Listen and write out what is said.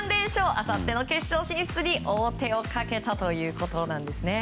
あさっての決勝進出に王手をかけたということです。